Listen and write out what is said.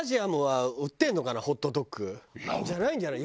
じゃないんじゃない？